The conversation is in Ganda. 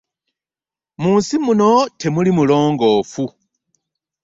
Munsi muno tewali mulongoofu.